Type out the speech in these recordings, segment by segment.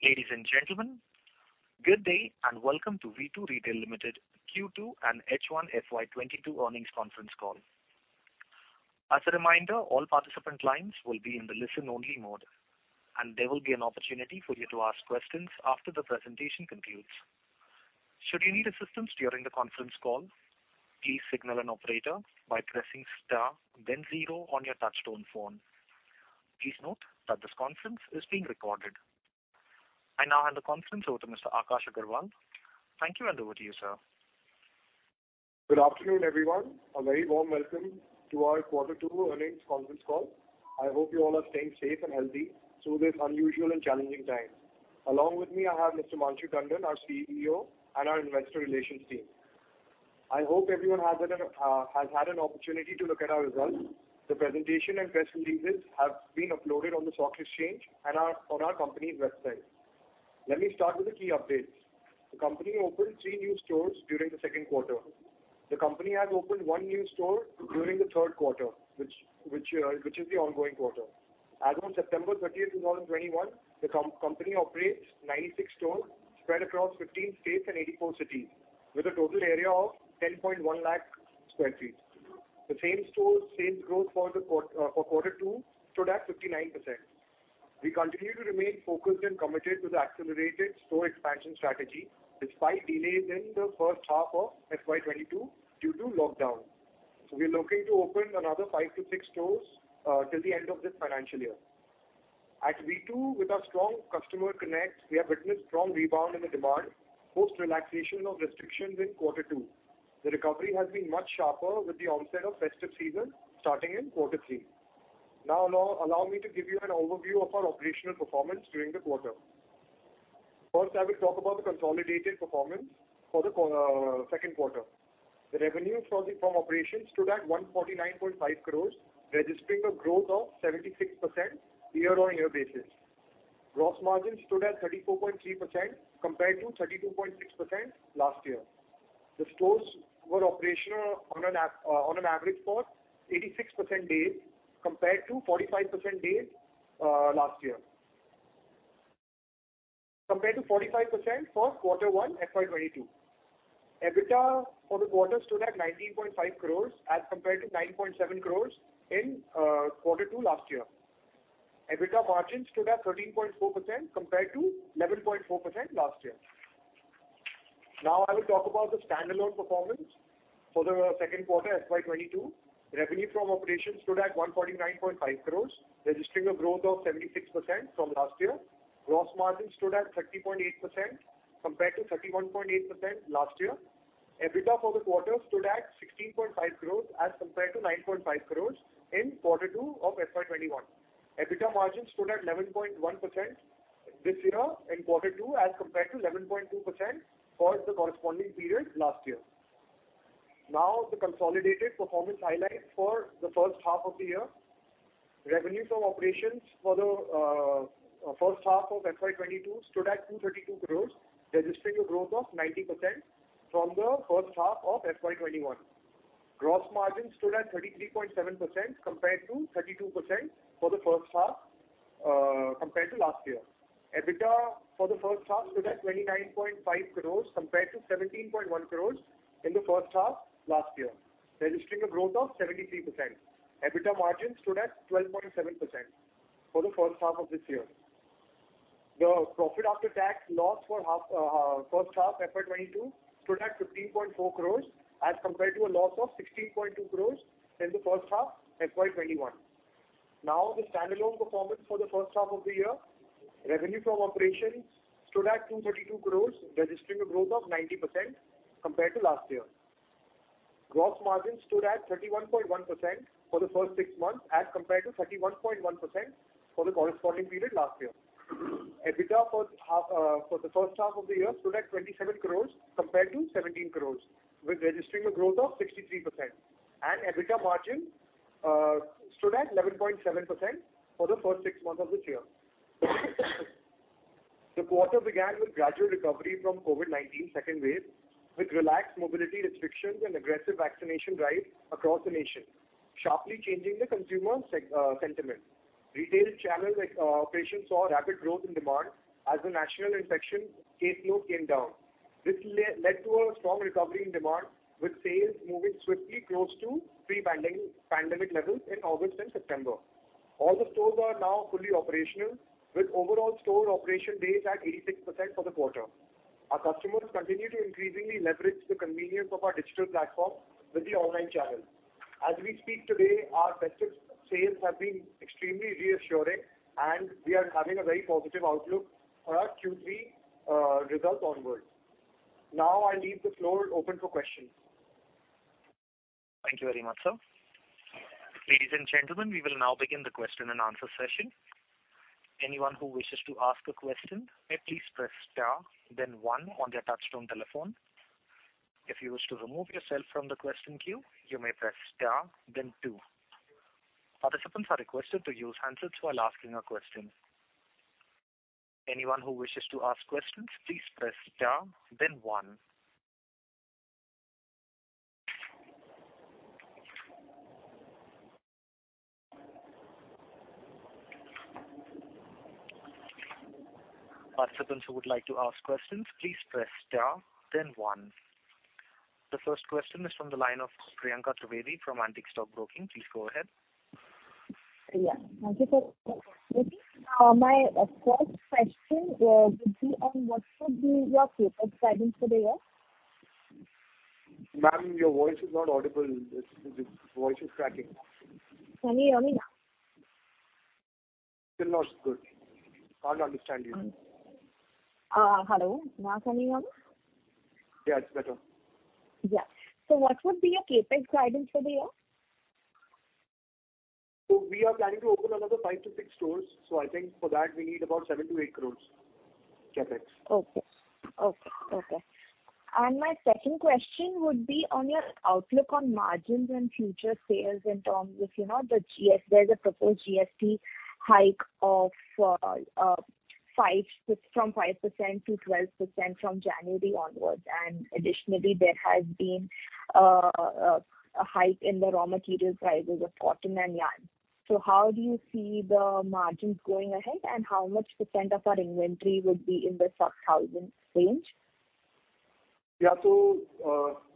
Ladies and gentlemen, good day and welcome to V2 Retail Limited Q2 and H1 FY 2022 earnings conference call. As a reminder, all participant lines will be in the listen-only mode, and there will be an opportunity for you to ask questions after the presentation concludes. Should you need assistance during the conference call, please signal an operator by pressing star then zero on your touchtone phone. Please note that this conference is being recorded. I now hand the conference over to Mr. Akash Agarwal. Thank you, and over to you, sir. Good afternoon, everyone. A very warm welcome to our quarter two earnings conference call. I hope you all are staying safe and healthy through this unusual and challenging time. Along with me, I have Mr. Manshu Tandon, our CEO, and our investor relations team. I hope everyone has had an opportunity to look at our results. The presentation and press releases have been uploaded on the stock exchange and our company's website. Let me start with the key updates. The company opened three new stores during the second quarter. The company has opened one new store during the third quarter, which is the ongoing quarter. As on September 30th 2021, the company operates 96 stores spread across 15 states, and 84 cities with a total area of 10.1 lakh sq ft. The same store sales growth for quarter two stood at 59%. We continue to remain focused and committed to the accelerated store expansion strategy despite delays in the first half of FY 2022 due to lockdown. We are looking to open another five to six stores till the end of this financial year. At V2, with our strong customer connect, we have witnessed strong rebound in the demand post relaxation of restrictions in quarter two. The recovery has been much sharper with the onset of festive season starting in quarter three. Now allow me to give you an overview of our operational performance during the quarter. First, I will talk about the consolidated performance for second quarter. The revenue from operations stood at 149.5 crores, registering a growth of 76% year-on-year basis. Gross margin stood at 34.3% compared to 32.6% last year. The stores were operational on an average for 86% days, compared to 45% days last year. Compared to 45% for quarter one FY 2022. EBITDA for the quarter stood at 19.5 crores as compared to 9.7 crores in quarter two last year. EBITDA margin stood at 13.4% compared to 11.4% last year. Now I will talk about the standalone performance for the second quarter FY 2022. Revenue from operations stood at 149.5 crores, registering a growth of 76% from last year. Gross margin stood at 30.8% compared to 31.8% last year. EBITDA for the quarter stood at 16.5 crores as compared to 9.5 crores in quarter two of FY 2021. EBITDA margin stood at 11.1% this year in quarter two as compared to 11.2% for the corresponding period last year. Now the consolidated performance highlight for the first half of the year. Revenue from operations for the first half of FY 2022 stood at 232 crores, registering a growth of 90% from the first half of FY 2021. Gross margin stood at 33.7% compared to 32% for the first half compared to last year. EBITDA for the first half stood at 29.5 crores compared to 17.1 crores in the first half last year, registering a growth of 73%. EBITDA margin stood at 12.7% for the first half of this year. The profit after tax loss for first half FY 2022 stood at 15.4 crores as compared to a loss of 16.2 crores in the first half FY 2021. Now the standalone performance for the first half of the year. Revenue from operations stood at 232 crores, registering a growth of 90% compared to last year. Gross margin stood at 31.1% for the first six months as compared to 31.1% for the corresponding period last year. EBITDA for the first half of the year stood at 27 crores compared to 17 crores, with registering a growth of 63%. EBITDA margin stood at 11.7% for the first six months of this year. The quarter began with gradual recovery from COVID-19 second wave, with relaxed mobility restrictions and aggressive vaccination drive across the nation, sharply changing the consumer sentiment. Retail channel operations saw rapid growth in demand as the national infection caseload came down. This led to a strong recovery in demand, with sales moving swiftly close to pre-pandemic levels in August and September. All the stores are now fully operational, with overall store operation days at 86% for the quarter. Our customers continue to increasingly leverage the convenience of our digital platform with the online channel. As we speak today, our festive sales have been extremely reassuring, and we are having a very positive outlook for our Q3 results onwards. Now, I'll leave the floor open for questions. Thank you very much, sir. Ladies and gentlemen, we will now begin the question and answer session. Anyone who wishes to ask a question may please press star then one on their touchtone telephone. If you wish to remove yourself from the question queue, you may press star then two. Participants are requested to use handsets while asking a question. Anyone who wishes to ask questions, please press star then one. The first question is from the line of Priyanka Trivedi from Antique Stock Broking. Please go ahead. Yeah. Thank you. My first question would be on what would be your CapEx guidance for the year? Ma'am, your voice is not audible. It's voice is cracking. Can you hear me now? Still not good. Can't understand you. Hello. Now can you hear me? Yeah, it's better. Yeah. What would be your CapEx guidance for the year? We are planning to open another five to six stores, so I think for that we need about 7 crore-8 crore CapEx. Okay. My second question would be on your outlook on margins and future sales in terms of, you know, the GST. There's a proposed GST hike from 5% to 12% from January onwards. Additionally, there has been a hike in the raw material prices of cotton and yarn. How do you see the margins going ahead, and how much percent of our inventory would be in the sub-thousand range? Yeah.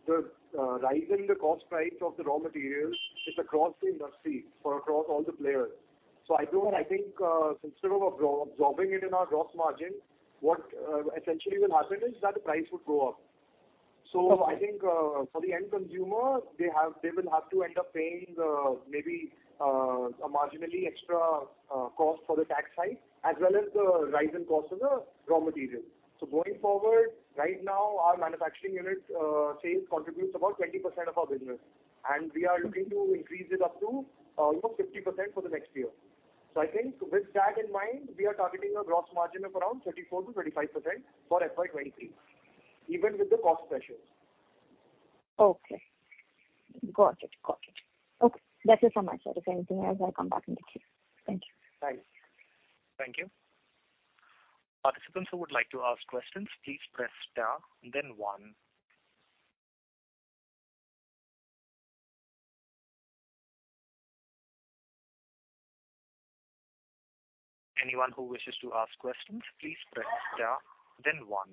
The rise in the cost price of the raw materials is across the industry, across all the players. I think, instead of absorbing it in our gross margin, what essentially will happen is that the price would go up. I think, for the end consumer, they have, they will have to end up paying, maybe, a marginally extra cost for the tax hike as well as the rise in cost of the raw material. Going forward, right now our manufacturing unit sales contributes about 20% of our business, and we are looking to increase it up to, you know, 50% for the next year. I think with that in mind, we are targeting a gross margin of around 34%-35% for FY 2023, even with the cost pressures. Okay. Got it. Okay. That's it from my side. If anything else, I'll come back and get to you. Thank you. Thanks. Thank you. Participants who would like to ask questions, please press star then one. Anyone who wishes to ask questions, please press star then one.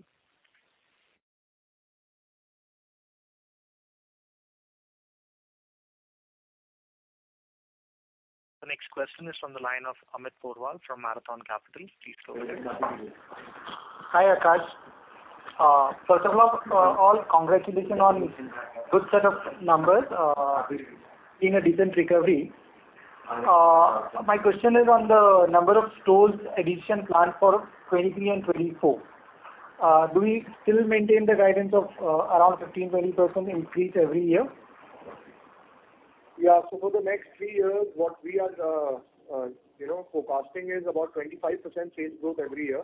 The next question is from the line of Amit Porwal from Marathon Capital. Please go ahead. Hi, Akash. First of all congratulations on good set of numbers, being a decent recovery. My question is on the number of stores addition planned for 2023 and 2024. Do we still maintain the guidance of around 15%-20% increase every year? Yeah. For the next three years, what we are, you know, forecasting is about 25% sales growth every year.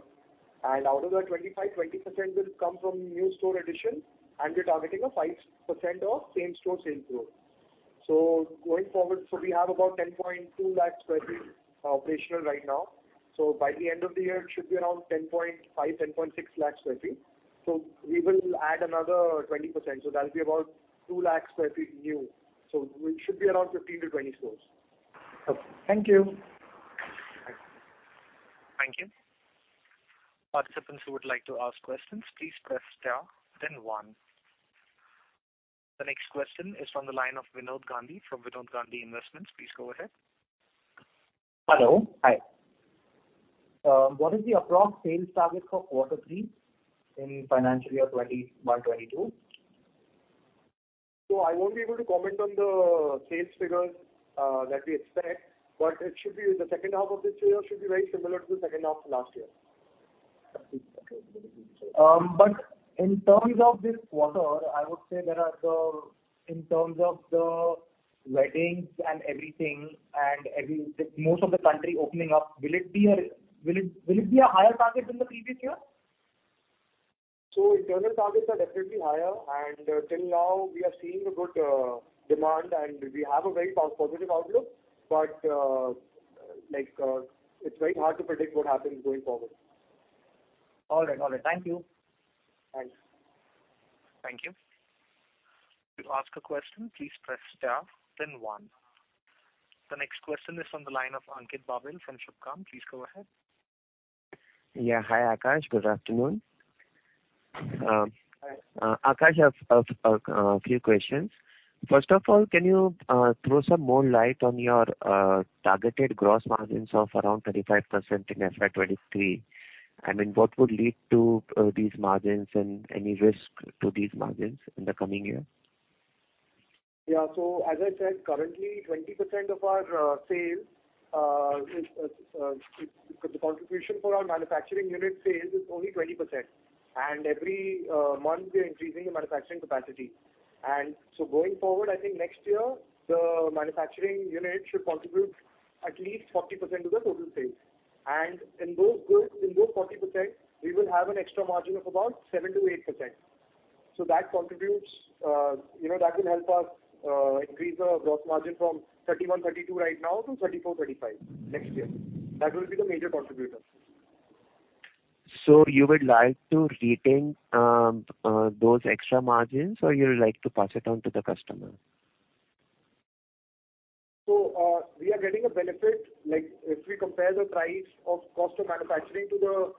Out of that 25%, 20% will come from new store addition, and we're targeting a 5% same store sales growth. Going forward, we have about 10.2 lakhs sq ft operational right now. By the end of the year, it should be around 10.5 lakhs-10.6 lakhs sq ft. We will add another 20%, that'll be about 2 lakhs sq ft new. It should be around 15-20 stores. Okay. Thank you. Thanks. Thank you. Participants who would like to ask questions, please press star then one. The next question is from the line of Vinod Gandhi from Vinod Gandhi Investments. Please go ahead. Hello. Hi. What is the approximate sales target for quarter three in financial year 2022? I won't be able to comment on the sales figures that we expect, but it should be the second half of this year should be very similar to the second half of last year. Okay. In terms of this quarter, I would say, in terms of the weddings and everything, most of the country opening up, will it be a higher target than the previous year? Internal targets are definitely higher, and till now we are seeing a good demand, and we have a very positive outlook. Like, it's very hard to predict what happens going forward. All right. Thank you. Thanks. Thank you. To ask a question, please press star then one. The next question is on the line of Ankit Babel from Subhkam. Please go ahead. Yeah. Hi, Akash. Good afternoon. Hi. Akash, I have a few questions. First of all, can you throw some more light on your targeted gross margins of around 35% in FY 2023? I mean, what would lead to these margins and any risk to these margins in the coming year? Yeah. As I said, currently 20% of our sales is the contribution for our manufacturing unit sales is only 20%. Every month we are increasing the manufacturing capacity. Going forward, I think next year the manufacturing unit should contribute at least 40% to the total sales. In those goods, in those 40% we will have an extra margin of about 7%-8%. That contributes, you know, that will help us increase our gross margin from 31%-32% right now to 34%-35% next year. That will be the major contributor. You would like to retain those extra margins, or you would like to pass it on to the customer? We are getting a benefit, like if we compare the price of cost of manufacturing to the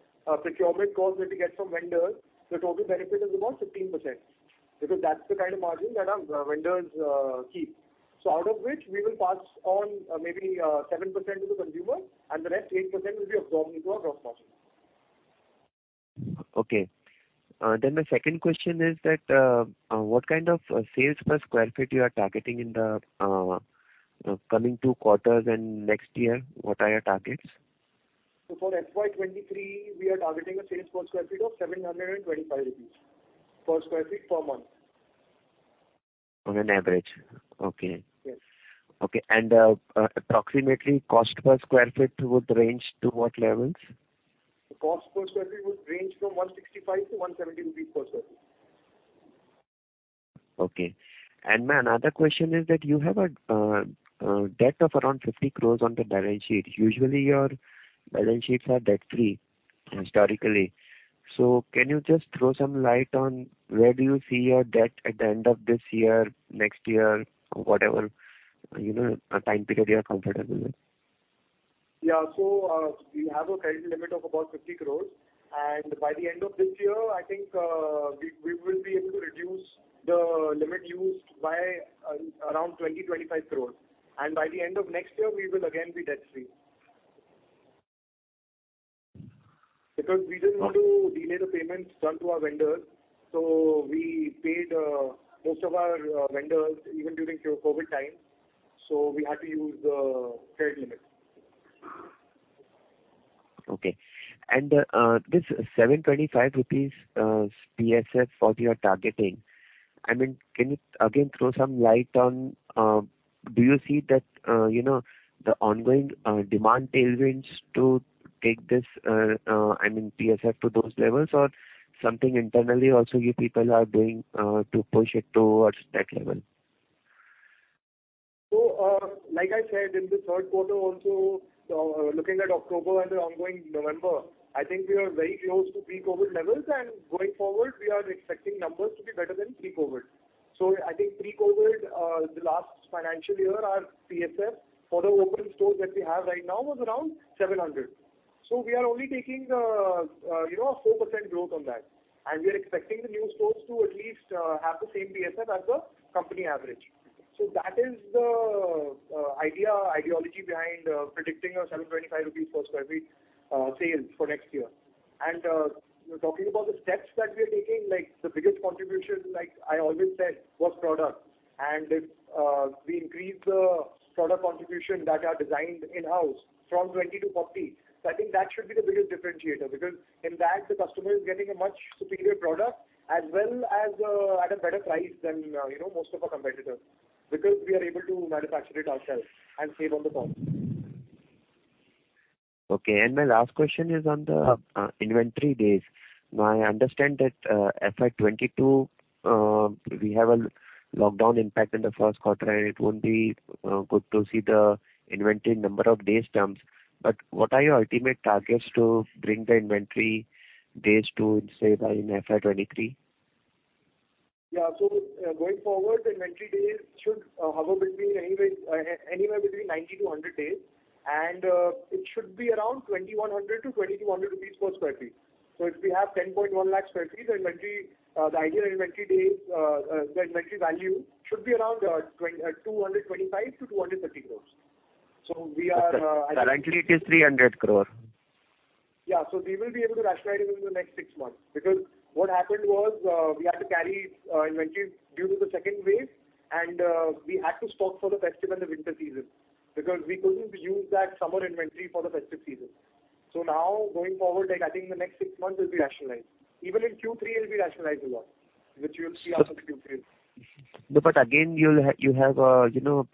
procurement cost that we get from vendors, the total benefit is about 15%, because that's the kind of margin that our vendors keep. Out of which we will pass on maybe 7% to the consumer and the rest 8% will be absorbed into our gross margin. My second question is, what kind of sales per square feet you are targeting in the coming two quarters and next year? What are your targets? For FY 2023, we are targeting a sales per square foot of 725 rupees per sq ft per month. On average. Okay. Yes. Okay. Approximately cost per square foot would range to what levels? Cost per sq ft would range from 165-170 rupees per sq ft. Okay. My another question is that you have a debt of around 50 crore on the balance sheet. Usually, your balance sheets are debt-free historically. Can you just throw some light on where do you see your debt at the end of this year, next year, or whatever, you know, time period you are comfortable with? Yeah. We have a credit limit of about 50 crores. By the end of this year, I think we will be able to reduce the limit used by around 20 crores-25 crores. By the end of next year, we will again be debt-free. Because we didn't want to delay the payments done to our vendors, we paid most of our vendors even during COVID time, so we had to use the credit limit. Okay. This 725 rupees PSF what you are targeting, I mean, can you again throw some light on, do you see that, you know, the ongoing demand tailwinds to take this PSF to those levels or something internally also you people are doing to push it towards that level? Like I said, in the third quarter also, looking at October and the ongoing November, I think we are very close to pre-COVID levels, and going forward, we are expecting numbers to be better than pre-COVID. I think pre-COVID, the last financial year, our PSF for the open stores that we have right now was around 700. We are only taking, you know, 4% growth on that. We are expecting the new stores to at least have the same PSF as the company average. That is the idea, ideology behind predicting 725 rupees per sq ft sales for next year. Talking about the steps that we are taking, like the biggest contribution, like I always said, was product. If we increase the product contribution that are designed in-house from 20 to 40, so I think that should be the biggest differentiator. Because in that the customer is getting a much superior product as well as at a better price than you know most of our competitors, because we are able to manufacture it ourselves and save on the cost. Okay. My last question is on the inventory days. Now I understand that FY 2022 we have a lockdown impact in the first quarter, and it won't be good to see the inventory number of days terms. What are your ultimate targets to bring the inventory days to, say, by in FY 2023? Yeah. Going forward, inventory days should hover between 90-100 days. It should be around 2,100-2,200 rupees per sq ft. If we have 10.1 lakh sq ft inventory, the inventory value should be around 225-230 crore. Currently it is 300 crore. Yeah. We will be able to rationalize it in the next six months. Because what happened was, we had to carry inventory due to the second wave, and we had to stock for the festive and the winter season because we couldn't use that summer inventory for the festive season. Now going forward, like I think the next six months will be rationalized. Even in Q3 it'll be rationalized a lot, which you will see also in Q3. No, again, you have you know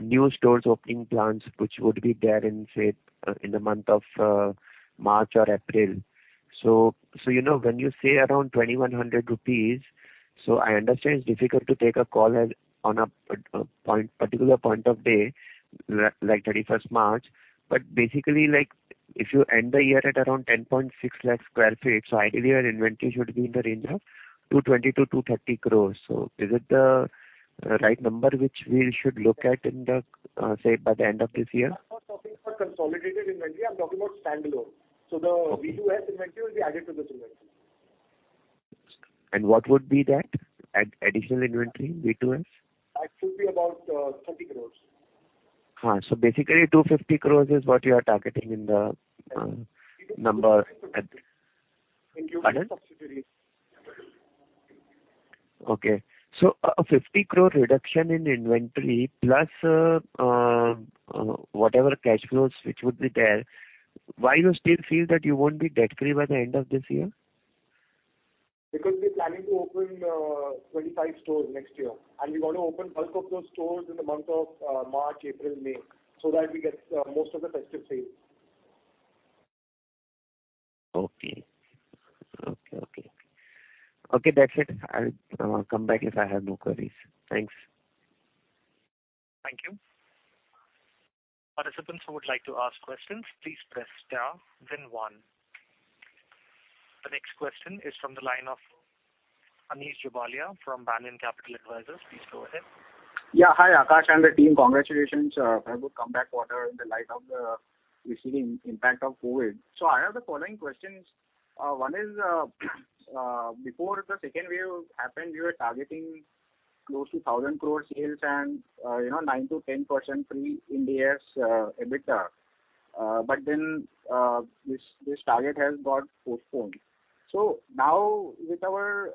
new stores opening plans, which would be there in, say, in the month of March or April. You know, when you say around 2,100 rupees, I understand it's difficult to take a call at, on a particular point of day, like 31st March. Basically, like if you end the year at around 10.6 lakh sq ft, ideally your inventory should be in the range of 220 crore-230 crore. Is it the right number which we should look at in, say by the end of this year? I'm not talking about consolidated inventory. I'm talking about standalone. The V2 inventory will be added to this inventory. What would be that additional inventory, V2? That should be about 30 crore. Basically 250 crore is what you are targeting in the number. When you look at subsidiaries. Okay. A 50 crore reduction in inventory, plus whatever cash flows which would be there. Why you still feel that you won't be debt-free by the end of this year? Because we're planning to open 25 stores next year, and we want to open bulk of those stores in the month of March, April, May, so that we get most of the festive sales. Okay, that's it. I'll come back if I have more queries. Thanks. Participants who would like to ask questions, please press star then one. The next question is from the line of Anish Jobalia from Banyan Capital Advisors. Please go ahead. Yeah. Hi, Akash and the team. Congratulations on a good comeback quarter in the light of the recent impact of COVID. I have the following questions. One is, before the second wave happened, you were targeting close to 1,000 crore sales, and you know, 9%-10% pre-Ind AS EBITDA. But then, this target has got postponed. Now with our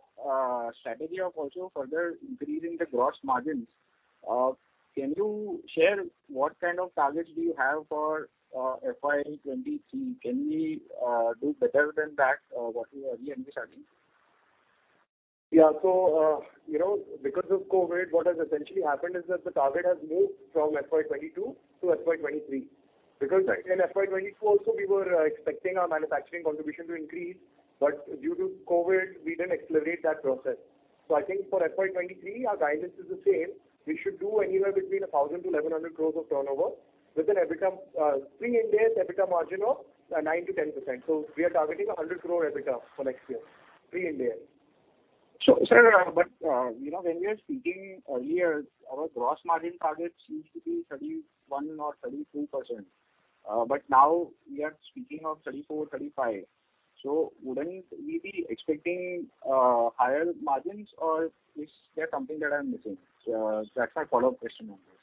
strategy of also further increasing the gross margins, can you share what kind of targets do you have for FY 2023? Can we do better than that, what we were earlier targeting? Yeah. You know, because of COVID, what has essentially happened is that the target has moved from FY 2022 to FY 2023. Right. Because in FY 2024 also we were expecting our manufacturing contribution to increase, but due to COVID we didn't accelerate that process. I think for FY 2023, our guidance is the same. We should do anywhere between 1,000 crore-1,100 crore of turnover with an EBITDA pre-Ind AS EBITDA margin of 9%-10%. We are targeting 100 crore EBITDA for next year pre-Ind AS. Sir, you know, when we are speaking earlier, our gross margin targets used to be 31%-32%. But now we are speaking of 34%-35%. Wouldn't we be expecting higher margins or is there something that I'm missing? That's my follow-up question on this.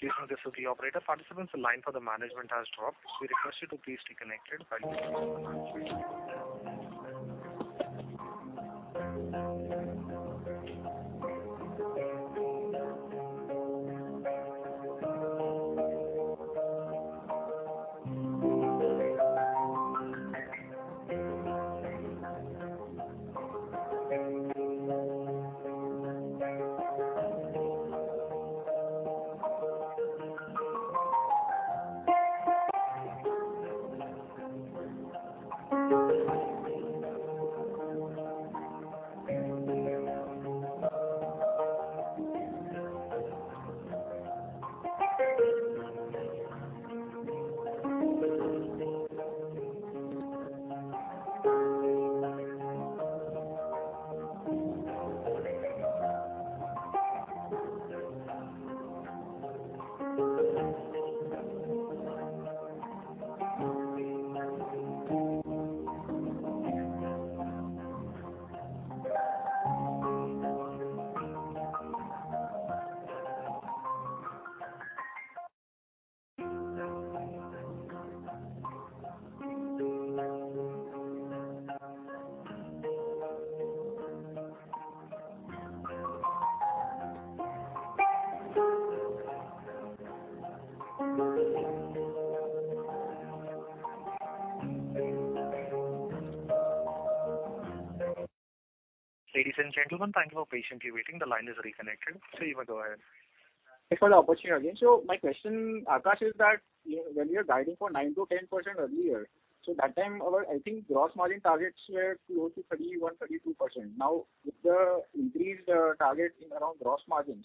This is the operator. Participants, the line for the management has dropped. We request you to please reconnect it by dialing star one on your telephone. Ladies and gentlemen, thank you for patiently waiting. The line is reconnected. Sir, you may go ahead. Thanks for the opportunity again. My question, Akash, is that, you know, when we are guiding for 9%-10% earlier, so that time our, I think, gross margin targets were close to 31%-32%. Now, with the increased target around gross margins,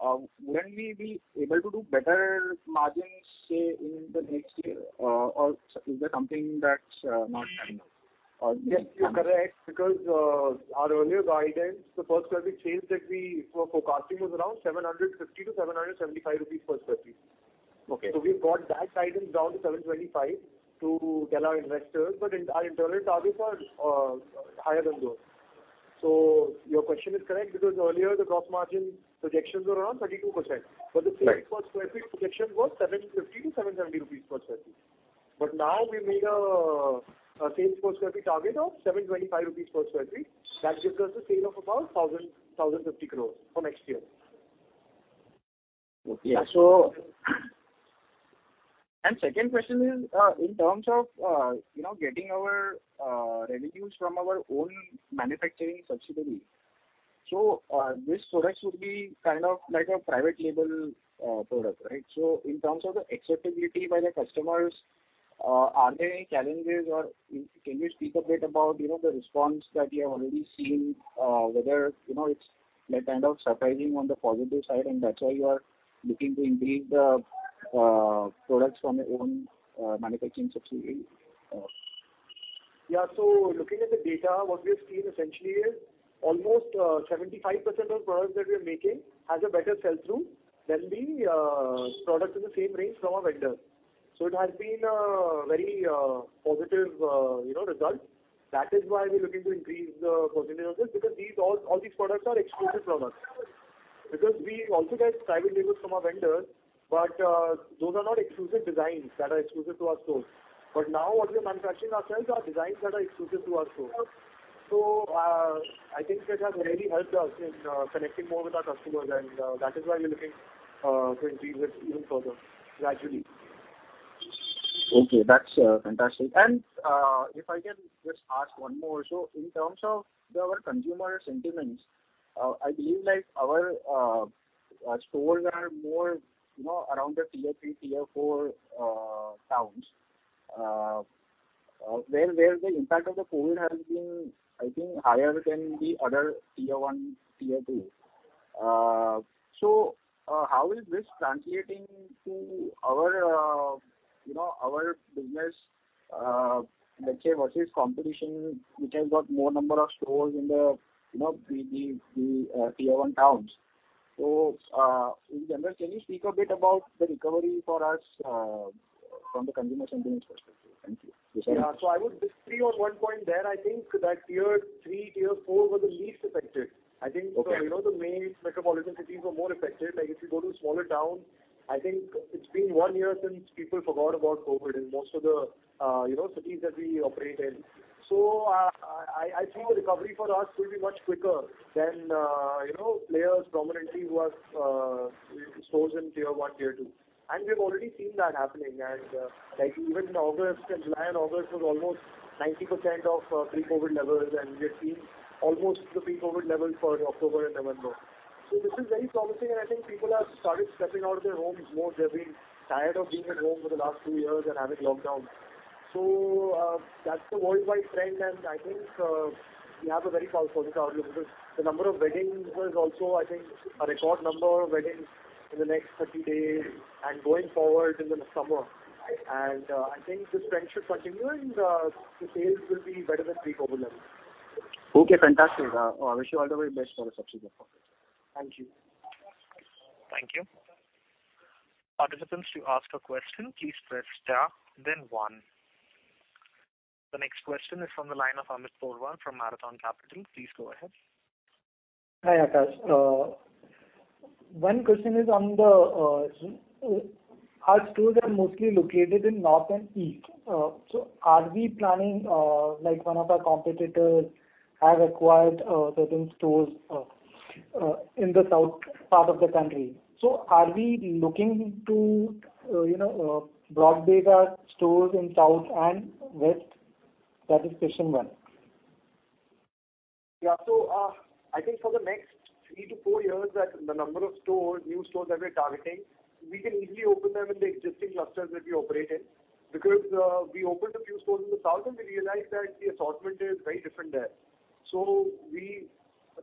wouldn't we be able to do better margins, say, in the next year, or is there something that's not coming up? Yes, you're correct because our earlier guidance, the per square foot sales that we were forecasting was around INR 750-INR 775 per sq ft. Okay. We've got that guidance down to INR 725 to tell our investors, but our internal targets are higher than those. Your question is correct because earlier the gross margin projections were around 32%. Right. The sales per square feet projection was INR 750-INR 770 per sq ft. Now we made a sales per square feet target of INR 725 per sq ft. That gives us a sale of about INR 1,050 crores for next year. Okay. Second question is, in terms of, you know, getting our revenues from our own manufacturing subsidiary. This product would be kind of like a private label product, right? In terms of the acceptability by the customers, are there any challenges or can you speak a bit about, you know, the response that you have already seen, whether, you know, it's like kind of surprising on the positive side and that's why you are looking to increase the products from your own manufacturing subsidiary? Yeah. Looking at the data, what we have seen essentially is almost 75% of products that we are making has a better sell through than the products in the same range from our vendor. It has been a very positive, you know, result. That is why we're looking to increase the percentage of this because these all these products are exclusive from us. Because we also get private labels from our vendors, but those are not exclusive designs that are exclusive to our stores. Now what we are manufacturing ourselves are designs that are exclusive to our stores. I think that has really helped us in connecting more with our customers, and that is why we're looking to increase it even further gradually. Okay. That's fantastic. If I can just ask one more. In terms of our consumer sentiments, I believe like our stores are more, you know, around the Tier 3, Tier 4 towns. Where the impact of the COVID has been, I think, higher than the other Tier 1, Tier 2. How is this translating to our, you know, our business, let's say versus competition, which has got more number of stores in the, you know, the Tier 1 towns. In general, can you speak a bit about the recovery for us from the consumer sentiment perspective? Thank you. Yeah. I would disagree on one point there. I think that Tier 3, Tier 4 were the least affected. Okay. I think, you know, the main metropolitan cities were more affected. Like, if you go to a smaller town, I think it's been one year since people forgot about COVID in most of the, you know, cities that we operate in. I think the recovery for us will be much quicker than, you know, players prominently who have, stores in Tier 1, Tier 2. We've already seen that happening. Like, even in August, in July and August was almost 90% of, pre-COVID levels, and we have seen almost the pre-COVID levels for October and November. This is very promising, and I think people have started stepping out of their homes more. They've been tired of being at home for the last two years and having lockdown. That's the worldwide trend, and I think we have a very positive outlook because the number of weddings is also, I think, a record number of weddings in the next 30 days and going forward in the summer. I think this trend should continue and the sales will be better than pre-COVID levels. Okay, fantastic. I wish you all the very best for the subsequent quarters. Thank you. Thank you. Participants, to ask a question, please press star then one. The next question is from the line of Amit Porwal from Marathon Capital. Please go ahead. Hi, Akash. One question is on our stores are mostly located in North and East. Are we planning, like, one of our competitors have acquired certain stores in the South part of the country. Are we looking to, you know, broaden our stores in South and West? That is question one. Yeah. I think for the next three to four years that the number of stores, new stores that we're targeting, we can easily open them in the existing clusters that we operate in because we opened a few stores in the south and we realized that the assortment is very different there. We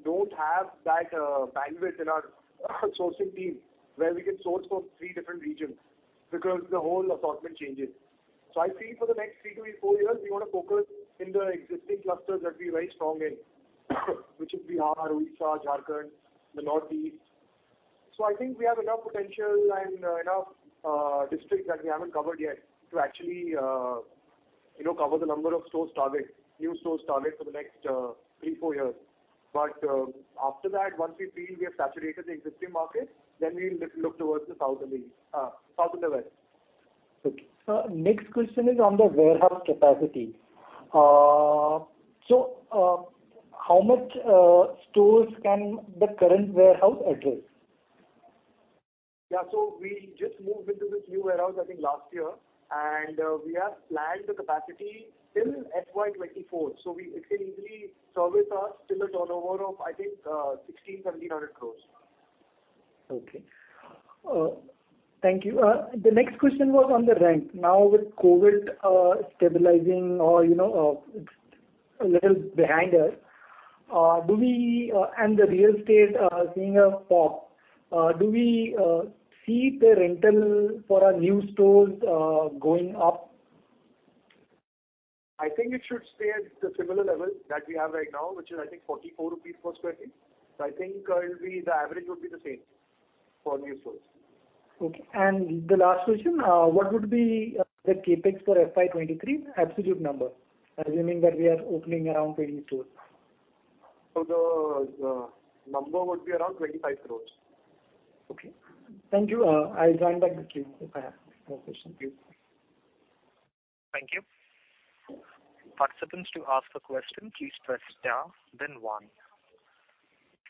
don't have that bandwidth in our sourcing team where we can source from three different regions because the whole assortment changes. I feel for the next three to four years, we wanna focus in the existing clusters that we're very strong in, which is Bihar, Orissa, Jharkhand, the Northeast. I think we have enough potential and enough districts that we haven't covered yet to actually you know, cover the number of stores target, new stores target for the next three to four years. After that, once we feel we have saturated the existing markets, then we'll look towards the south and the east, south and the west. Okay. Next question is on the warehouse capacity. How many stores can the current warehouse address? Yeah. We just moved into this new warehouse, I think, last year, and we have planned the capacity till FY 2024. It can easily service us till the turnover of, I think, 1,600 crore-1,700 crore. Okay. Thank you. The next question was on the rent. Now with COVID stabilizing or, you know, it's a little behind us, and the real estate seeing a pop, do we see the rental for our new stores going up? I think it should stay at the similar level that we have right now, which is I think 44 rupees per sq ft. I think it'll be, the average would be the same for new stores. Okay. The last question, what would be the CapEx for FY 2023, absolute number, assuming that we are opening around 20 stores? The number would be around 25 crores. Okay. Thank you. I'll join back with you if I have more questions. Thank you. Thank you. Participants, to ask a question please press star then one.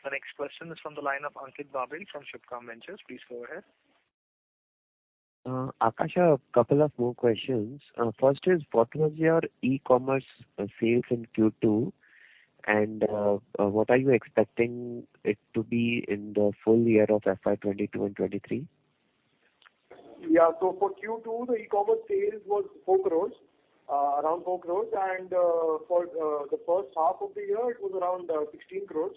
The next question is from the line of Ankit Babel from Subhkam Ventures. Please go ahead. Akash, a couple of more questions. First is what was your e-commerce sales in Q2, and what are you expecting it to be in the full-year of FY 2022 and 2023? Yeah. For Q2, the e-commerce sales was INR 4 crore, around INR 4 crore. For the first half of the year, it was around 16 crore.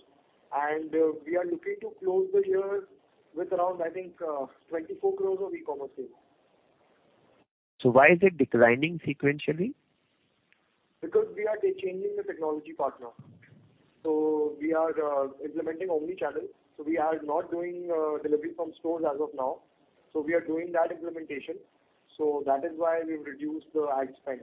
We are looking to close the year with around, I think, 24 crore of e-commerce sales. Why is it declining sequentially? Because we are changing the technology partner. We are implementing omni-channel, so we are not doing delivery from stores as of now. We are doing that implementation. That is why we've reduced the ad spend.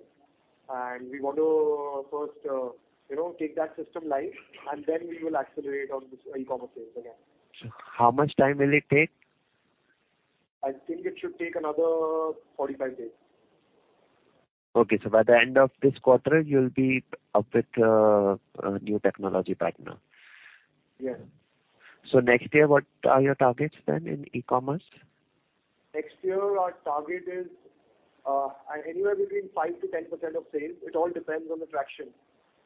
We want to first, you know, take that system live and then we will accelerate on this e-commerce sales again. How much time will it take? I think it should take another 45 days. Okay. By the end of this quarter you'll be up with a new technology partner. Yeah. Next year, what are your targets then in e-commerce? Next year our target is anywhere between 5%-10% of sales. It all depends on the traction.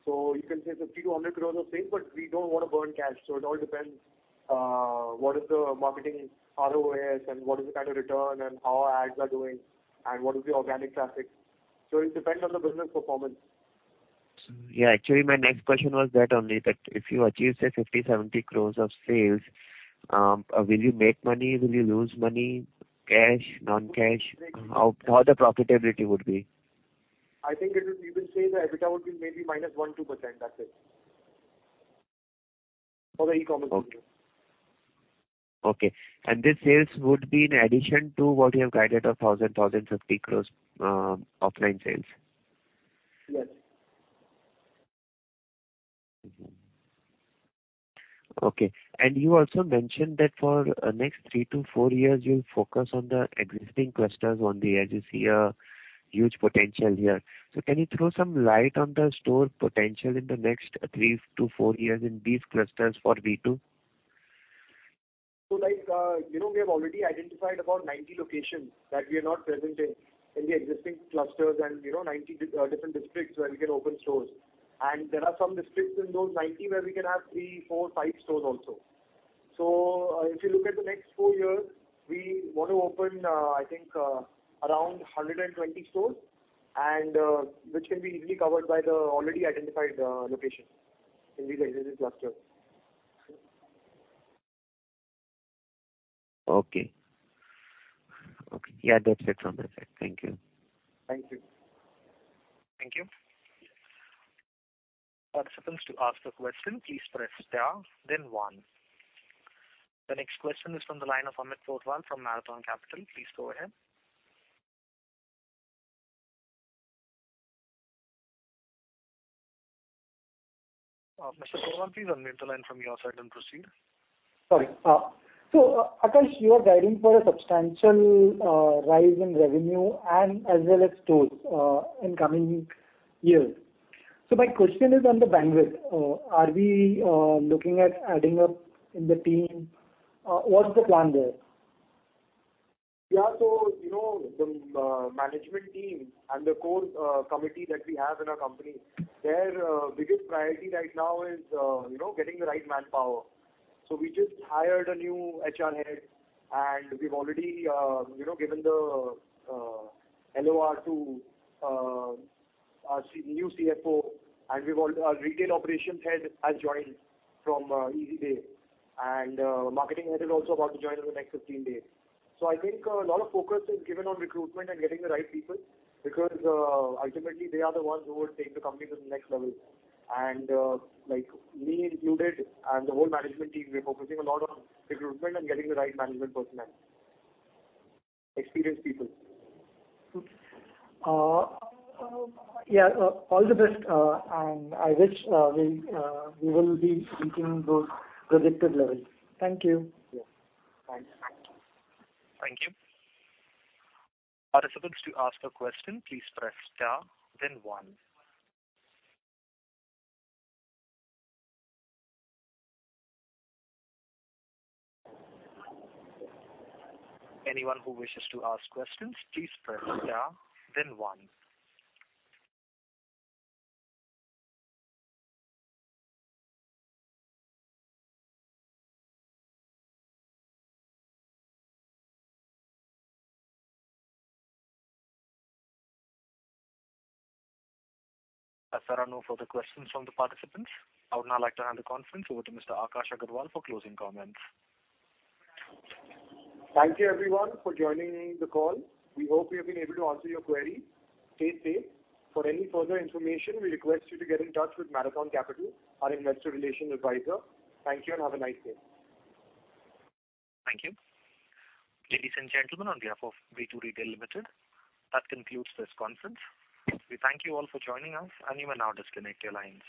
You can say it's 30 crores-100 crores of sales, but we don't wanna burn cash. It all depends what is the marketing ROAS and what is the kind of return and how our ads are doing and what is the organic traffic. It depends on the business performance. Yeah. Actually, my next question was that only, that if you achieve, say, 50 crore-70 crore of sales, will you make money? Will you lose money? Cash, non-cash? How the profitability would be. I think we will say the EBITDA would be maybe minus 1%-2%. That's it. For the e-commerce business. Okay, this sales would be in addition to what you have guided of 1,050 crores offline sales? Yes. You also mentioned that for next three to four years, you'll focus on the existing clusters on the edges. You see a huge potential here. Can you throw some light on the store potential in the next three to four years in these clusters for V2? Like, you know, we have already identified about 90 locations that we are not present in the existing clusters and, you know, 90 different districts where we can open stores. There are some districts in those 90 where we can have three, four, five stores also. If you look at the next four years, we want to open, I think, around 120 stores and which can be easily covered by the already identified locations in these existing clusters. Okay. Okay. Yeah, that's it from this end. Thank you. Thank you. Thank you. Participants, to ask a question, please press star then one. The next question is from the line of Amit Porwal from Marathon Capital. Please go ahead. Mr. Porwal, please unmute the line from your side and proceed. Sorry. Akash, you are guiding for a substantial rise in revenue and as well as stores in coming years. My question is on the bandwidth. Are we looking at adding up in the team? What's the plan there? Yeah. You know, the management team and the core committee that we have in our company, their biggest priority right now is, you know, getting the right manpower. We just hired a new HR head, and we've already given the LOR to our new CFO. Our retail operations head has joined from Easy Day. Marketing head is also about to join in the next 15 days. I think a lot of focus is given on recruitment and getting the right people because ultimately they are the ones who will take the company to the next level. Like me included and the whole management team, we're focusing a lot on recruitment and getting the right management personnel. Experienced people. Yeah, all the best, and I wish we will be reaching those projected levels. Thank you. Yeah. Thanks. Thank you. Participants, to ask a question, please press star then one. Anyone who wishes to ask questions, please press star then one. As there are no further questions from the participants, I would now like to hand the conference over to Mr. Akash Agarwal for closing comments. Thank you everyone for joining the call. We hope we have been able to answer your queries. Stay safe. For any further information, we request you to get in touch with Marathon Capital, our investor relations advisor. Thank you and have a nice day. Thank you. Ladies and gentlemen, on behalf of V2 Retail Limited, that concludes this conference. We thank you all for joining us, and you may now disconnect your lines.